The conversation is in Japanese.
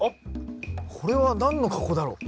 これは何の格好だろう？